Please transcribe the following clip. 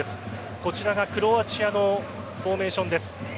こちらがクロアチアのフォーメーションです。